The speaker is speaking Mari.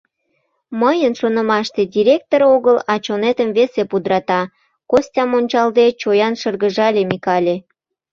— Мыйын шонымаште, директор огыл, а чонетым весе пудрата, — Костям ончалде, чоян шыргыжале Микале.